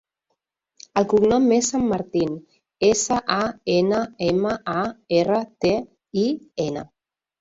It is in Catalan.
El cognom és Sanmartin: essa, a, ena, ema, a, erra, te, i, ena.